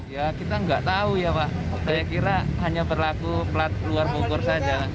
ya kita nggak tahu ya pak saya kira hanya berlaku pelat luar bogor saja